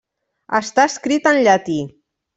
Està escrit en llatí.